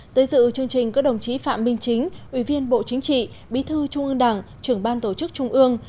tới dự chương trình có đồng chí phạm minh chính ủy viên bộ chính trị bí thư trung ương đảng trưởng ban tổ chức trung ương